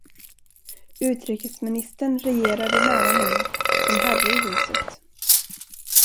Utrikesministern regerade nära nog som herre i huset.